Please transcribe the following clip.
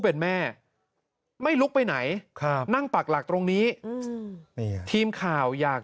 เป็นแม่ไม่ลุกไปไหนครับนั่งปักหลักตรงนี้ทีมข่าวอยาก